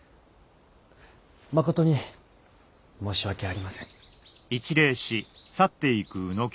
誠に申し訳ありません。